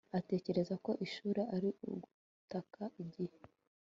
atekereza ko ishuri ari uguta igihe